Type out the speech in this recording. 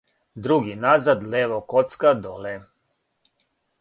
други назад лево коцка доле